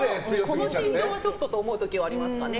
この身長はちょっとと思う時はありますね。